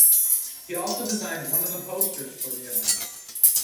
He also designed one of the posters for the event.